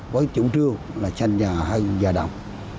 với chủ trương là xanh nhà hơn giá đồng